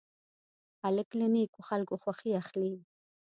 هلک له نیکو خلکو خوښي اخلي.